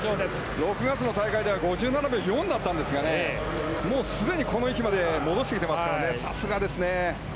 ６月の大会では５７秒４だったんですがもうすでにこの域まで戻してきてますからさすがですね。